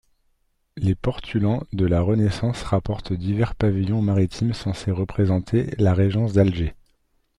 Les portulans de la Renaissance rapportent divers pavillons maritimes censés représenter la régence d'Alger.